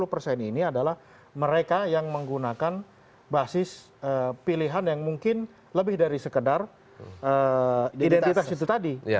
dua puluh persen ini adalah mereka yang menggunakan basis pilihan yang mungkin lebih dari sekedar identitas itu tadi